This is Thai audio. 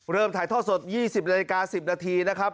เริ่มถ่ายท่อสด๒๐นาฬิกา๑๐นาทีนะครับ